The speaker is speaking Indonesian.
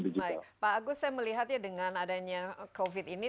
baik pak agus saya melihat ya dengan adanya covid ini